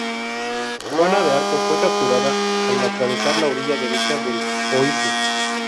Juana de Arco fue capturada al atravesar la orilla derecha del Oise.